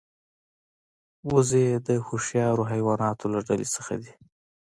وزې د هوښیار حیواناتو له ډلې ده